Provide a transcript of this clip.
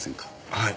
はい。